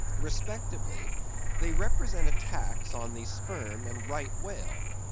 Respectively, they represent attacks on the Sperm and Right Whale.